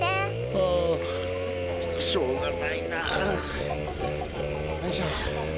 はぁしょうがないな。よいしょ。